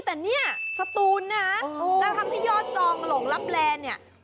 แต่เนี่ยสตูนนะแล้วทำให้ยอดจองหลงลับแลนเนี่ย